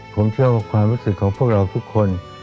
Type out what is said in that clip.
ผมเชื่อว่าความรู้สึกของพวกเราทุกคน